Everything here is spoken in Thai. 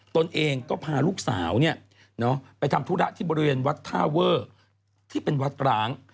ตนเองก็พาลูกสาวไปทำธุระที่บริเวณวัดท่าเวอร์ที่เป็นวัดร้าง